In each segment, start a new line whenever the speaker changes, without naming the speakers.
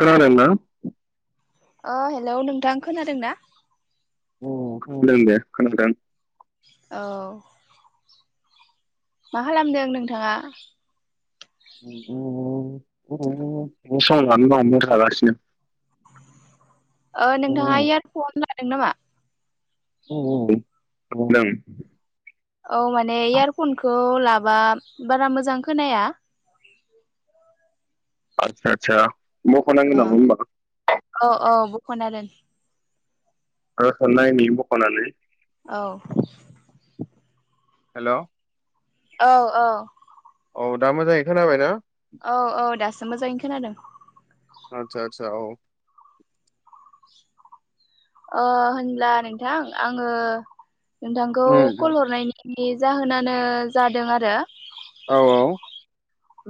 खोनादोंना?
ओ हेलौ नोंथां खोनादों ना?
औ खानादों दे खोनादों।
औ मा खालामदों नोंथाङा?
[unintelligible]
ओ नोंथाङा इयारफन लादों नामा?
औ औ लादों।
औ माने इयारफनखौ लाबा बारा मोजां खोनाया।
आतसा आतसा बख'नांगोन नामा होमबा?
खना दोन।
मा जाखो नायनि बख'नानै।
औ [inaudible]
हेलौ।
औ औ।
औ दा मोजाङै खोनाबाय ना?
औ औ दासो मोजाङै खो खोनादों।
आत्सा आत्सा औ।
अ होनब्ला नोंथां आङो नोंथांखौ कल हरनायनि बे जाहोनानो जादों आरो।
औ औ।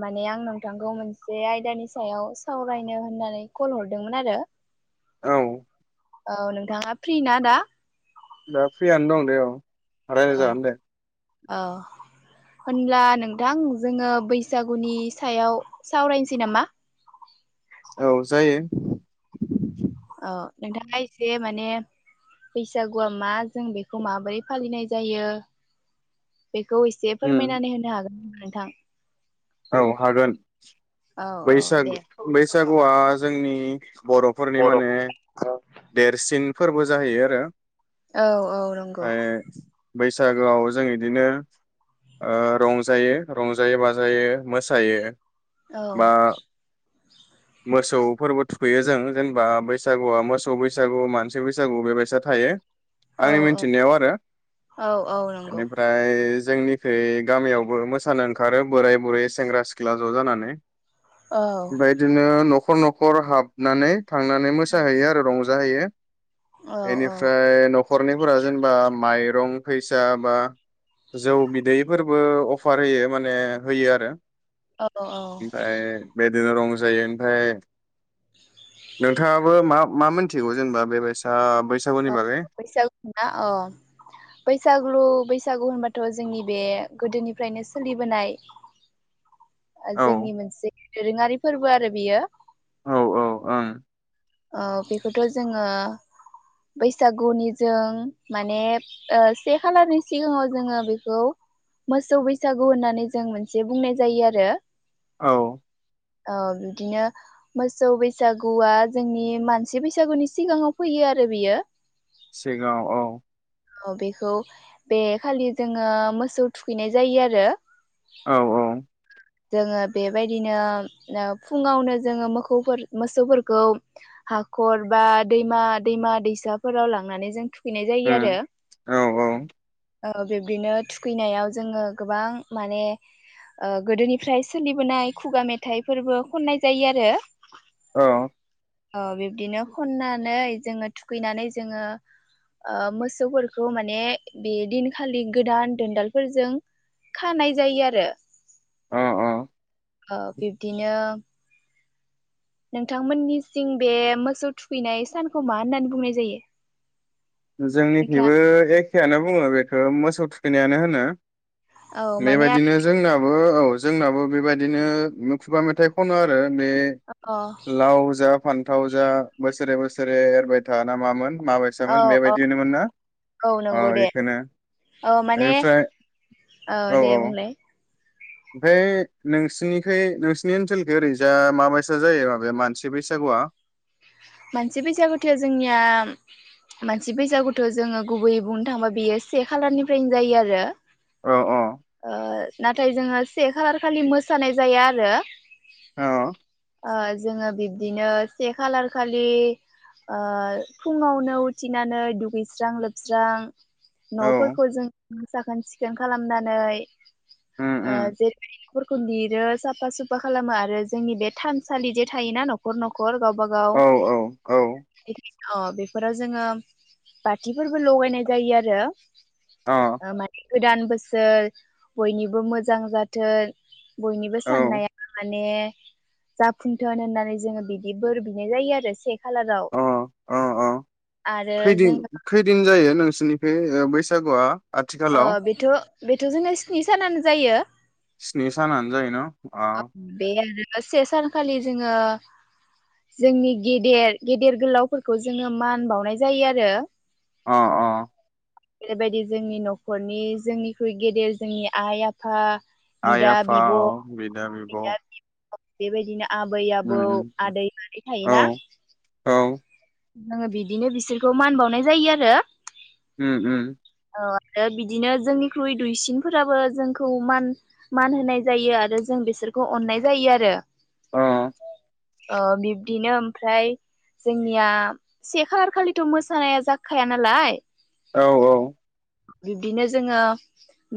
माने आं नोंथांखौ मोनसे आयदानि सायाव सावरायनो होननानै कल हरदोंमोन आरो।
औ।
औ नोंथाङा फ्रि ना दा?
दा फ्रियानो दं दे औ।
औ
राइजागोन दे।
औ होनब्ला नोंथां जोङो बैसागुनि सायाव सावरायनोसै नामा?
औ जायो [inaudible]
औ नोंथाङा एसे माने बैसागुआ मा जों बेखौ माबोरै फालिनाय जायो बेखौ एसे
उम
फोरमायनानै होनो हागोन। नोंथां।
औ हागोन
औ औ दे।
बैसागु बैसाग हौवा जोंनि बर'फोरनि माने देरसिन फोरबो जाहैयो आरो।
औ औ नंगौ।
ओमफ्राय बैसागोआव जों इदिनो ओ रंजायो रंजायो-बाजायो। मोसायो।
औ [inaudible]
मोसौ फोरबो थुखैयो जों जेनेबा बैसागुआ मोसौ बैसागु, मानसि बैसागु बेबायसा थायो।
औ
आंनि मिथिनायाव आरो
औ औ नंगौ
बेनिफ्राय जोंनिखै गामियावबो मोसानो ओंखारो बोराय बुरै सेंग्रा सिख्ला ज' जानानै।
औ
ओमफाय इदिनो नख न'खर न'खर हाबनानै थांनानै मोसाहैयो आरो रंज जाहैयो।
औ औ
बेनिफ्राय नख नखरनिफोरा जेनेबा माइरं फैसा बा जौ बिदैफोरबो अफार होयो माने होयो आरो
औ औ
[unintelligible] जायो ओमफ्राय नोंथा बो मा-मा मोनथिगौ जेनबा बेबायसा बैसागुनि
अ
बागै
बैसागु ना अ बैसागु-बैसागु होनबा थ जोंनि बे गोदोनिफ्रायनो सोलिबोनाय
औ
जोंनि मोनसे दोरोङारि फोर्बो आरो बियो।
औ-औ ओं।
ओ बेखौथ जोंङो बैसागुनि जों माने ओ से खालारनि सिगाङाव जोंङो बेखौ मोसौ बैसागु होननानै जों मोनसे बुंनाय जायो आरो।
औ
औ बिदिनो मोसौ बैसागुआ जोंनि मानसि बैसागुनि सिगाङाव फैयो आरो बियो।
सिगांआव औ।
औ बेखौ बे खालि जोंङो मोसौ थुखैनाय जायो आरो।
औ औ
जोंङो बेबायदिनो ओ फुङावनो जोंङो मोखौ मोसौफोरखौ हाखर बा दैमा-दैमा दैसाफोराव लांनानै जों थुखै थुखैनाय जायो आरो।
औ-औ
औ बिब्दिनो थुखैनायाव जोंङो गोबां माने ओ गोदोनिफ्राय सोलिबोनाय खुगा मेथाइफोरबो खननाय जायो आरो।
औ।
औ बिब्दिनो खन्नानै जोंङो थुखैनानै जोंङो ओ मोसौफोरखौ बेखौ माने बे दिनखालि गोदान दोनदालफोरजों खानाय जायो आरो।
अ-अ
ओ बिब्दिनो नोंथांमोननिथिं बे मोसौ थुखैनाय सानखौ मा होननानै बुंनाय जायो? नोंथाङा
जोंनिफ्रायइबो [unintelligible] बुङो बेखौ मोसौ थुखैनायानो होनो
औ माने अ
बेबायदिनो जोंनाबो औ जोंनाबो बेबायदिनो खुगा मेथाइ खनो आरो ओमफाय
औ
लाव जा फान्थाव जा बोसोरे बोसोरे एरबाय था ना मामोन मा
औ औ औ
अ
नंगौ दे
बेखौनो
औ माने
ओमफ्राय
ओ
औ
दे बुंलाय
ओमफ्राय नोंसिनिखै नोंसिरनि ओनसोल ओरैजा माबायसा जायो माबाया मानसि बैसागुआ?
मानसि बैसागुथआव जोंनिया मानसि बैसागुथोआव जोंङो गुबैयै बुंनो थाङोबा बेयो से खालारनिफ्रायनो जायो आरो
औ औ
आ नाथाय जोंङो से खालार खालि मोसानाय जायो आरो
औ
ओ जोङो बि बिदिनो से खालार खालि ओ फुङावनो उथिनानै दुगैस्रां लोबस्रां
औ
न'फोरखौ जों साखोन सिखोन खोन खालामनानै
उम
ओ
उम
[unintelligible] [unintelligible] लिरो साफा सुफा खालामो आरो जोंनि बे थानसालि जे थायोना न'खर न'खर गावबा गाव
औ औ औ।
अ बेफोराव जोङो बाथिफोरबो लगायनाय जायो आरो।
अ
[unintelligible] गोदान बोसोर बयनिबो मोजां जाथों बयनिबो
औ
साननाया माने जाफुंथोन होननानै जोङो बिदि बोर बिनाय जायो आरो। [unintelligible]
अ अ अ
आरो
खैदिन
जोङो
खैदिन जायो [unintelligible] जोंनि बे बैसागुआ?
अ
आथिखालाव
बेथ' बेथ' जोंना स्नि सानानो जायो
स्नि सानानो जायो न अ
ओ बे [unintelligible] से सानखालि जोङो जोंनि गेदेर गेदेर गोलावफोरखौ जोङो मान बावनाय जायो आरो।
अ अ।
बेैबायदि जोंनि न'खरनि जोंनिख्रुइ गेदेर जोंनि आइ आफा
आइ
बिदा
आफा
बिब'
औ बिदा बिब'
बेबायदिनो आबै आबौ
उम
आदै मादै
औ
थायोना।
औ
आङो बिदिनो बिसोरखौ मान बावनाय जायो आरो। आरो।
उम उम।
औ बिदिनो जोंनिख्रुइ दुइसिनफोराबो जोंखौ मान मान होनाय जायो आरो जों बिसोरखौ अननाय जायो आरो ।
अ।
ओ बिब्दिनो ओमफ्राय जोंनिया से खालार खालिथ' मोसानाया जाख खाया नालाय
औ औ।
बिब्दिनो जोङो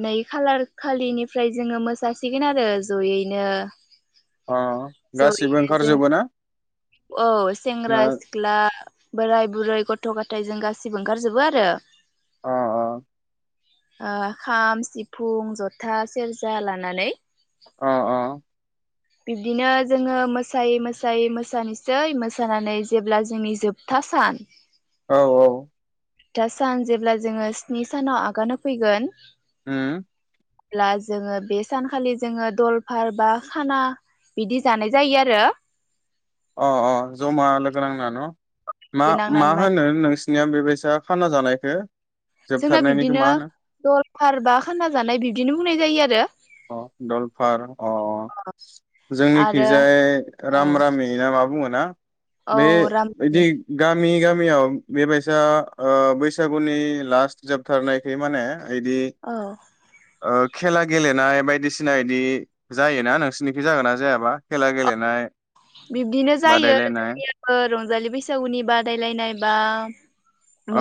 नै खालार खालिनिफ्राय जोङो मोसासिगोन आरो जयैनो।
अ गासिबो ओंखारजोबो ना?
अ। सेंग्रा
ना
सिख्ला बोराय बुरै गथ' गथायजों गासै गासिबो ओंखारजोबो आरो
अ अ
ओ खाम सिफुं जथा सेरजा लानानै
अ
बिब्दिनो जोङो मोसायै मोसायै मोसानोसै मोसानानै जेब्ला जोंनि जोबथा सान
औ औ
दा सान जेब्ला जोङो स्नि सानाव आगान हो फैगोन
उम
अब्ला जोङो बे सानखालि जोङो दलफार बा खाना बिदि जानाय जायो आरो
अ अ जमा लोगो नांना न मा
गोनां
मा
नानमान
होनो नोंस सिनिया बेबायसा खाना जानायखौ
जोंना
जोबथारनायनिखौ
बिब्दिनो
मा होनो
दलफार बा खाना जानाय बिब्दिनो बुंनाय जायो आरो
अ दलफार अ जोंनिखैजाय
आरो
राम रामि ना मा बुंगोन ना बे
औ राम
बिदि गामि गामि गामियाव बेबायसा ओ बैसागुनि लास्ट जोबथारनायखै माने इदि
औ
ओ खेला गेले नाय बायदिसिना बिदि जायोना नोंसिनिखै जागोन ना जायाबा खेला
अ
गेलेनाय
बिब्दिनो जायो
बादायलायनाय
[unintelligible] रंजालि बैसागुनि बादायलायनाय बा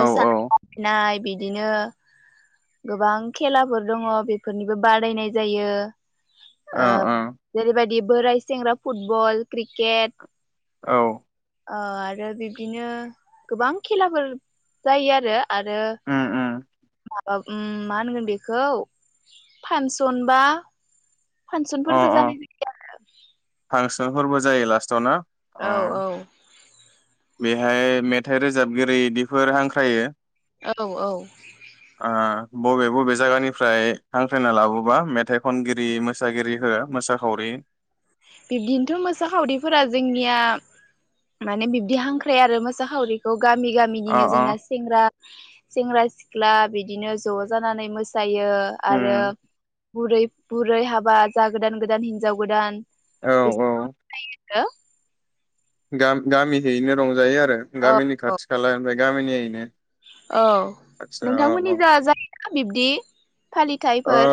औ
बादायलायनाय बिदिनो गोबां खेलाफोर दङ बेफोरनिबो बादायनाय जायो
ओ
ओ जेरैबायदि बिदि बोराय सेंग्रा फुटबल क्रिकेट
औ
ओ आरो बिब्दिनो गोबां खेलाफोर जायो आरो
उम उम
आरो उम मा होनगोन बेखौ फानसन बा
अ
फासनफोरबो जानाय बायदि जायो आरो
फोरबो जायो लास्टआव ना अ
औ औ
बेहाय मेथाइ रोजाबगिरि बिदिफोर हांख्रायो
औ औ
आं बबे बबे जायगानिफ्राय हांख्रायना लाबोबा मेथाइ खनगिरि मोसागिरि खो मोसाखावरि
बिब्दिनोथ मोसाखावरिफोरा जोंनिया माने बिब्दि हांख्राय आरो मोसाखावरिखौ गामि
अ
गामिनिनो
अ
जोंना सेंग्रा सेंग्रा सिख्ला सिख्ला बिदिनो ज' जानानै मोसायो आरो
उम
बुरै बुरै हाबा जा गोदान गोदान हिनजाव गोदान
औ
फैसा [unintelligible]
गा-गामियैनो रंजायो आरो
औ
गामिनि
औ
खाथि खाला गामिनियैनो।
औ
आदसा औ
नोंथांमोननि
औ
जा जाय बिब्दि
ओ
फालिथायफोर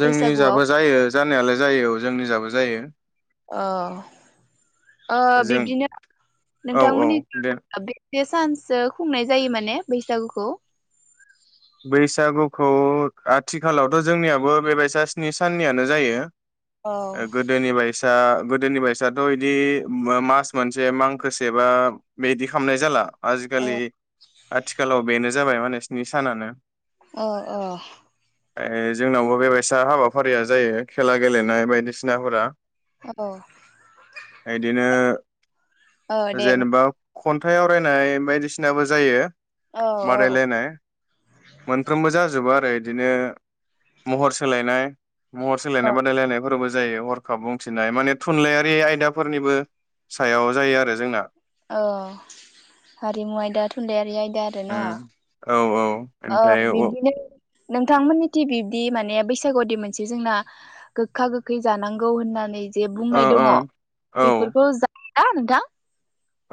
जोंनि
बैसागुआव?
जाबो जायो जानायालाय जायो औ जोंनिजाबो जायो।
औ ओ
जों
बिब्दिनो
औ औ
नोंथांमोननि
दे
बे सानसो खुंनाय जायो माने बैसागुखौ
बैसागुखौ आथिखालावथ' जोंनियाबो बेबायसा स्नि साननियानो जायो।
औ
ओ गोदोनि बाय यसा गोदोनि बायसाथ' इदि मास मोनसे मांखोसे बा बेबायदि खालामनाय जाला।
औ
आजिखालि आथिखालाव बेनो जाबाय माने स्नि सानानो
औ औ
ए जोंनावबो बेबायसा हाबाफारिया जायो खेला गेलेनाय बायदिसिनाफोरा।
औ
बिदिनो
औ दे बुं
जेनेबा खन्थाइ आवरायनाय बायदिसिनाबो जायो।
औ
बादायलायनाय। मोनफ्रोमबो जाजोबो आरो इदिनो महर सोलायनाय महर सोलायनाय बादायलायनायफोराबो जायो हरखाब बुंथिनाय माने थुनलाइयारि आयदाफोरनिबो। सायाव जायो आरो जोंना
[inaudible] औ हारिमु आयदा थुनलाइयारि आयदा। दोना
उम औ औ
ओ
ओमफ्राय अ
बिदिनो नोंथांमोननि थिं बिब्दि माने बैसागुदि मोनसे जोंना गोखा गोखै जानांगौ होननानै जे
ओ
बुंनाय दङ
औ
बेफोरखौ जा [unintelligible]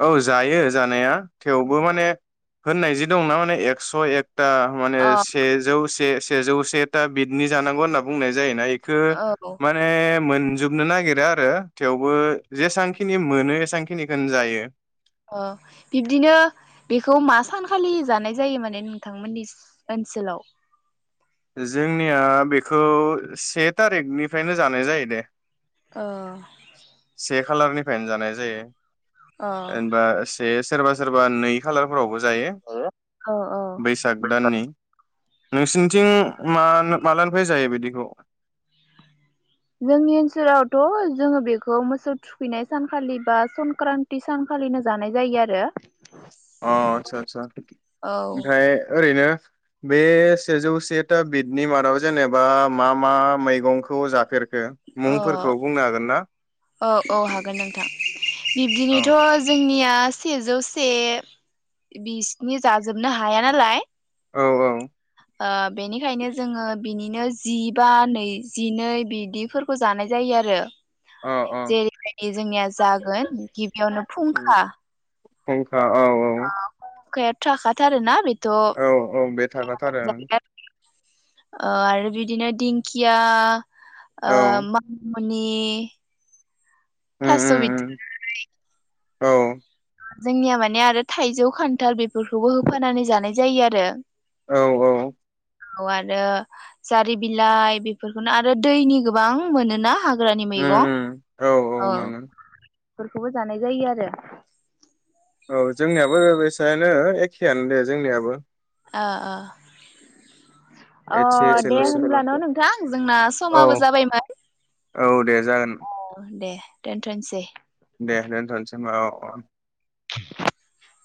औ जायो जानाया थेवबो माने होननाय जि दं ना माने एकस' एक था माने
अ
सेजौ से से जौसे ता बिदिनि जानांगौ होनना बुंनाय जायोना ए खो
औ
माने मोनजोब नो नागिरा आरो थेवबो जेसांखिनि मोनो एसांखिनिखौनो जायो।
अ बिब्दिनो बेखौ मा सानखालि जानाय जायो माने नोंथांमोननि ओनसोलाव?
जोंनिया बेखौ से थारिखनिफ्रायनो जानाय जायो दे।
अ
से खालारनिफ्रायनो जानाय जायो।
ओ
जेनबा से सोरबा सोरबा नै खालारफोरावबो जायो
औ औ
बैसाग दाननि। नोंसिनिथिं मा मालानिफ्राय जायो बिदिखौ?
जोंनि ओनसोलावथ' जोङो बेखौ मोसौ थुखैनाय सानखालि बा संक्रान्ति सानखालिनो जानाय जायो आरो।
अ आदसा आदसा
औ
ओमफ्राय ओरैनो बे सेजौसेता बिदनि मादाव जेनेबा मा मा मैगंखौ जाफेर
अ औ औ हागोन नोंथां
औ
बिब्दिनोथ' जोंनिया सेजौ से बिसिनि जाजोबनो हाया नालाय
औ औ
ओ बेनिखायनो जोङो बिनिनो जिबा नै जिनै बिदिफोरखौ जानाय जायो आरो।
औ औ
जेरैबायदि जोंनिया जागोन गिबियावनो फुंखा
फुं अ औ औ
थाखा थारोना बि
औ औ बे थाखा थारो
आरो बिदिनो दिंखिया आ
औ
[inaudible] फोरनि
उम
थास'
उम
बिथराय
औ
जोंनिया माने आरो थाइजौ खान्थाल बे फोरखौबो होफानानै जानाय जायो आरो।
औ औ
औ आरो जारि बिलाइ बेफोरखौनो आरो दैनि गोबां मोनोना हा ग्रानि
उम
मैगं
उम
औ
मोनो
फोरखौबो जानाय जायो आरो।
औ जोंनियाबो बेसेयानो एखेयानो जोंनियाबो
अह अह ओ
एसे
दे
एसेल'सो
होनबा नं नोंथां जोंना
औ
समाबो जाबायमोन
औ दे जागोन
अह दे दोनथ'नोसै
दे दोनथ'सै होमबा अ अ
[inaudible]